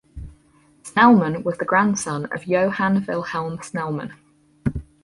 Snellman was the grandson of Johan Vilhelm Snellman.